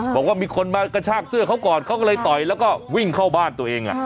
บอกว่ามีคนมากระชากเสื้อเขาก่อนเขาก็เลยต่อยแล้วก็วิ่งเข้าบ้านตัวเอง